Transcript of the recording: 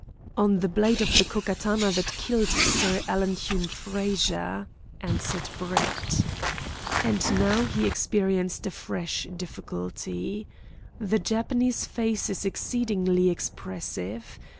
"On the blade of the Ko Katana that killed Sir Alan Hume Frazer," answered Brett. And now he experienced a fresh difficulty. The Japanese face is exceedingly expressive.